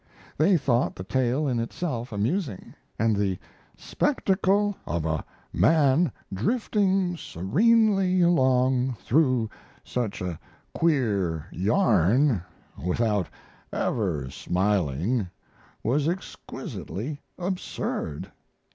They thought the tale in itself amusing, and the "spectacle of a man drifting serenely along through such a queer yarn without ever smiling was exquisitely absurd."